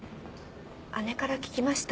姉から聞きました。